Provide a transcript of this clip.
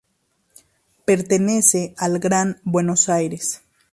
Pertenece al Gran Buenos Aires.